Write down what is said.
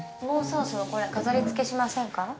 もうそろそろこれ飾りつけしませんか？